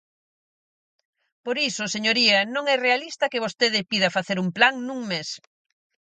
Por iso, señoría, non é realista que vostede pida facer un plan nun mes.